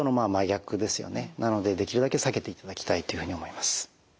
なのでできるだけ避けていただきたいっていうふうに思います。